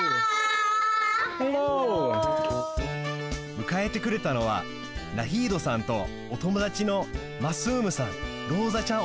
むかえてくれたのはナヒードさんとおともだちのマスームさんローザちゃん